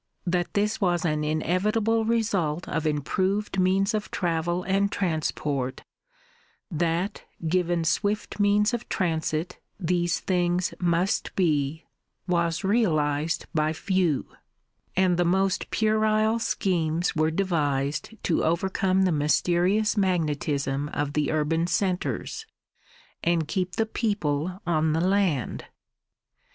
That this was an inevitable result of improved means of travel and transport that, given swift means of transit, these things must be was realised by few; and the most puerile schemes were devised to overcome the mysterious magnetism of the urban centres, and keep the people on the land.